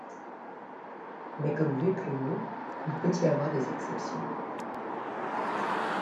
Mais comme vu plus haut, il peut y avoir des exceptions.